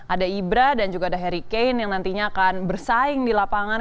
ada ibra dan juga ada harry kane yang nantinya akan bersaing di lapangan